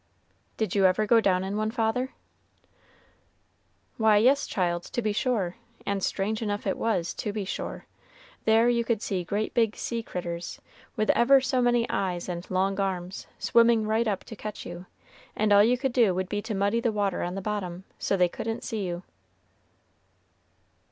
"Did you ever go down in one, father?" "Why, yes, child, to be sure; and strange enough it was, to be sure. There you could see great big sea critters, with ever so many eyes and long arms, swimming right up to catch you, and all you could do would be to muddy the water on the bottom, so they couldn't see you."